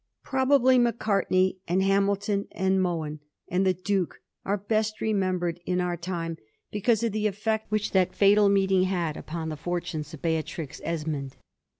Probably Mac artney, and Hamilton, and Mohun, and the Duke «ure best remembered in our time because of the effect which that fatal meeting had upon the fortunes of Seatrix Esmond.